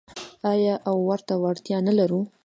آیا او ورته اړتیا نلرو؟